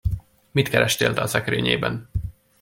Mit kerestél te a szekrényében?